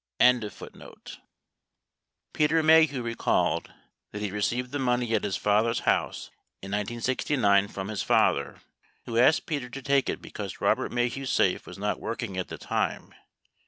953 Peter Maheu recalled that he received the money at his father's house in 1969 from his father, who asked Peter to take it because Robert Maheu's safe was not working at the time.